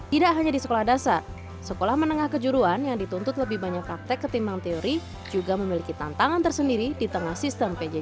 tidak hanya di sekolah dasar sekolah menengah kejuruan yang dituntut lebih banyak praktek ketimbang teori juga memiliki tantangan tersendiri di tengah sistem pjj